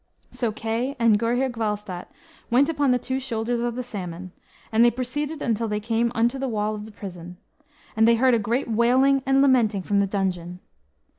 So Kay and Gurhyr Gwalstat went upon the two shoulders of the Salmon, and they proceeded until they came unto the wall of the prison; and they heard a great wailing and lamenting from the dungeon.